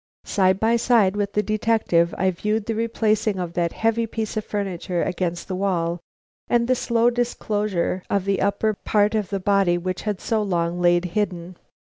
Side by side with the detective, I viewed the replacing of that heavy piece of furniture against the wall, and the slow disclosure of the upper part of the body which had so long lain hidden.